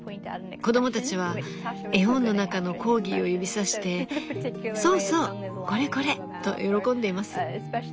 子供たちは絵本の中のコーギーを指さしてそうそうこれこれと喜んでいます。